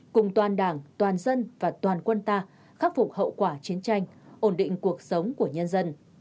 cùng toàn đảng toàn dân và toàn quân ta khắc phục hậu quả chiến tranh ổn định cuộc sống của nhân dân